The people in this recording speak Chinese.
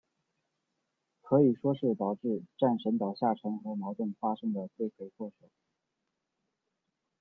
可以说是导致战神岛下沉和矛盾发生的罪魁祸首。